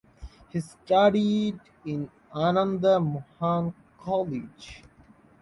He studied in Ananda Mohan College.